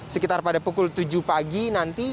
sekitar pada pukul tujuh pagi nanti